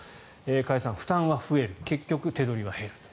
加谷さん、負担は増える結局、手取りは減ると。